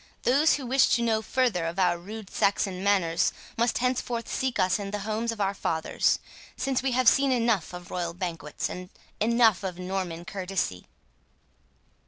Those who wish to know further of our rude Saxon manners must henceforth seek us in the homes of our fathers, since we have seen enough of royal banquets, and enough of Norman courtesy."